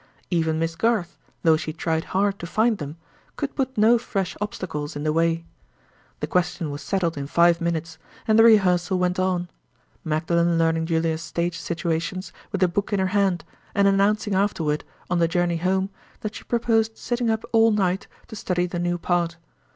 Even Miss Garth, though she tried hard to find them, could put no fresh obstacles in the way. The question was settled in five minutes, and the rehearsal went on; Magdalen learning Julia's stage situations with the book in her hand, and announcing afterward, on the journey home, that she proposed sitting up all night to study the new part.